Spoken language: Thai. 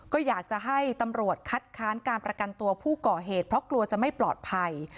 ก็อยากจะให้ตำรวจคัดค้านการประกันตัวผู้ก่อเหตุเพราะกลัวจะไม่ปลอดภัย